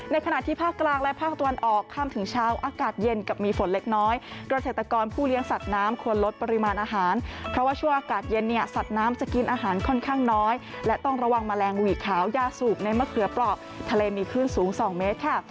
ขณะที่ภาคกลางและภาคตะวันออกข้ามถึงเช้าอากาศเย็นกับมีฝนเล็กน้อยเกษตรกรผู้เลี้ยงสัตว์น้ำควรลดปริมาณอาหารเพราะว่าช่วงอากาศเย็นเนี่ยสัตว์น้ำจะกินอาหารค่อนข้างน้อยและต้องระวังแมลงหวีขาวยาสูบในมะเขือเปราะทะเลมีคลื่นสูง๒เมตรค่ะ